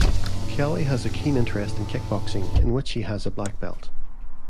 Kelly has a keen interest in Kickboxing, in which he has a black belt.